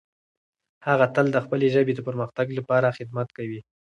هغه تل د خپلې ژبې د پرمختګ لپاره خدمت کوي.